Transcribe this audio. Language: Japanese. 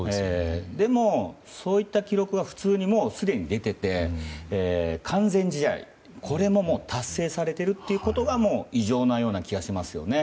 でもそういった記録がすでに普通に出ていて完全試合、これも達成されているということが異常なような気がしますよね。